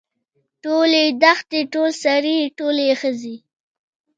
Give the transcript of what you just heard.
ټولې دښتې ټول سړي ټولې ښځې.